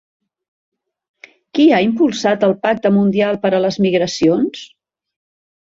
Qui ha impulsat el Pacte mundial per a les migracions?